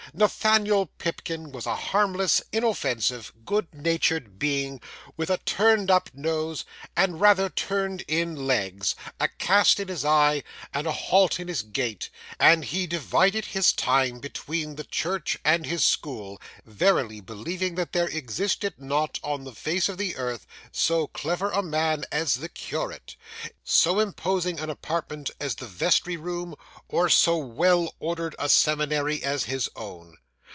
Nathaniel Pipkin was a harmless, inoffensive, good natured being, with a turned up nose, and rather turned in legs, a cast in his eye, and a halt in his gait; and he divided his time between the church and his school, verily believing that there existed not, on the face of the earth, so clever a man as the curate, so imposing an apartment as the vestry room, or so well ordered a seminary as his own.